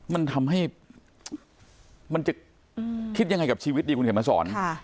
มันทำให้มันจะคิดยังไงกับชีวิตดีคุณเขียนมาสอน